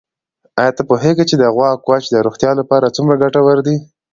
آیا ته پوهېږې چې د غوا کوچ د روغتیا لپاره څومره ګټور دی؟